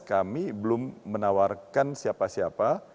kami belum menawarkan siapa siapa